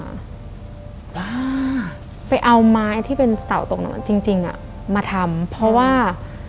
อ่าไปเอาไม้ที่เป็นเสาตกหนอนจริงจริงอ่ะมาทำเพราะว่า